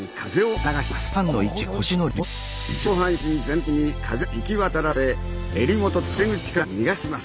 上半身全体に風を行き渡らせ襟元と袖口から逃がします。